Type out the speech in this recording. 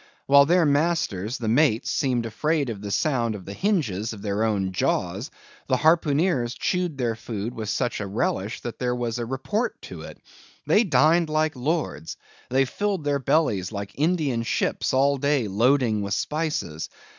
While their masters, the mates, seemed afraid of the sound of the hinges of their own jaws, the harpooneers chewed their food with such a relish that there was a report to it. They dined like lords; they filled their bellies like Indian ships all day loading with spices.